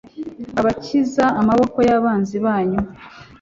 abakiza amaboko y abanzi banyu